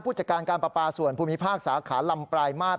จัดการการประปาส่วนภูมิภาคสาขาลำปลายมาตร